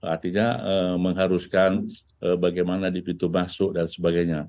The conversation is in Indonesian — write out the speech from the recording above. artinya mengharuskan bagaimana di pintu masuk dan sebagainya